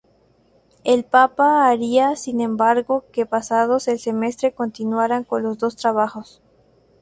El Papa haría, sin embargo, que pasado el semestre continuara con los dos trabajos.